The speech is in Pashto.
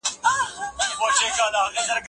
د څيړني پروسه کله ناکله ډېره ستونزمنه وي.